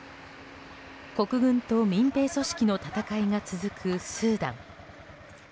国軍と民兵組織の戦いが続くスーダン。